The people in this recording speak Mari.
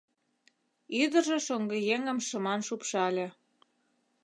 Ӱдыржӧ шоҥгыеҥым шыман шупшале.